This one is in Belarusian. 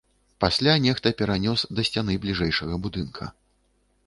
Пасля нехта перанёс да сцяны бліжэйшага будынка.